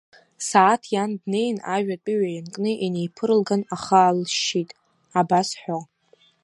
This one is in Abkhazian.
Сааҭ иан днеин ажә атәыҩа ианкны инеиԥырлган ахы аалышьшьит, абас ҳәо…